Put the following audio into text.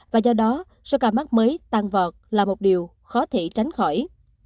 và do đó số ca mắc mới tăng vọt là một điều khó thể tránh khỏi